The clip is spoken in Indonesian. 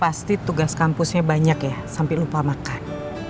pasti tugas kampusnya banyak ya sampai lupa makan